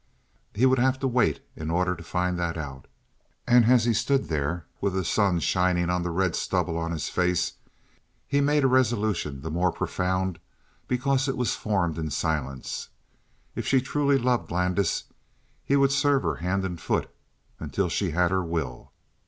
He would have to wait in order to find that out. And as he stood there with the sun shining on the red stubble on his face he made a resolution the more profound because it was formed in silence: if she truly loved Landis he would serve her hand and foot until she had her will.